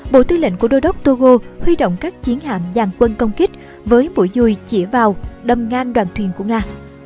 bộ tư lệnh của đô đốc togo huy động các chiến hạm dàn quân công kích với mũi dùi chỉa vào đâm ngang đoàn thuyền của nga